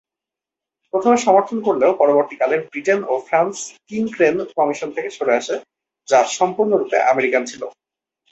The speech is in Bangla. প্রথমে সমর্থন করলেও পরবর্তীকালে ব্রিটেন ও ফ্রান্স কিং-ক্রেন কমিশন থেকে সরে আসে যা সম্পূর্ণরূপে আমেরিকান ছিল।